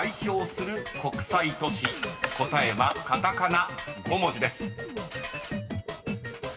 ［答えはカタカナ５文字です］